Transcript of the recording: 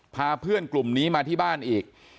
พาเพื่อนกลุ่มนี้มาที่บ้านอีก